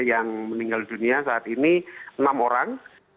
yang meninggal dunia saat ini enam orang